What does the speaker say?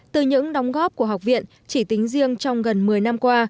từ những đóng góp của học viện chỉ tính riêng trong gần một mươi năm qua